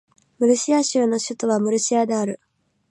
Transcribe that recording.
ムルシア州の州都はムルシアである